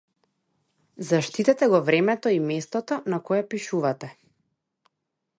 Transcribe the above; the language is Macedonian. Заштитете го времето и местото на кое пишувате.